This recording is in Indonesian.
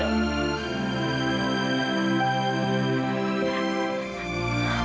aku bersyukur pada allah